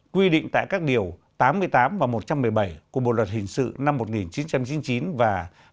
quy định tại các điều tám mươi tám và một trăm một mươi bảy của bộ luật hình sự năm một nghìn chín trăm chín mươi chín và hai nghìn một mươi năm